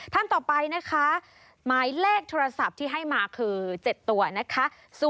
ท่านต่อไปนะคะหมายเลขโทรศัพท์ที่ให้มาคือ๗ตัวนะคะ